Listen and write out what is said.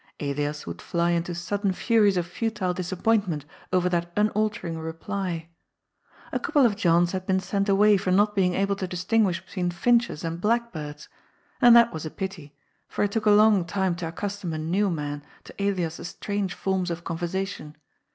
Elias would fly into sudden furies of futile disappointment over that unaltering reply. A couple of Johns had been sent away for not being able to distinguish between finches and blackbirds, and that was a pity, for it took a long time to accustom a new man to Elias's strange forms of conversa tion.